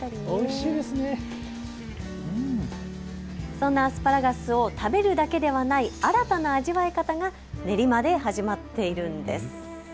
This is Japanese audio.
そんなアスパラガスを食べるだけではない新たな味わい方が練馬で始まっているんです。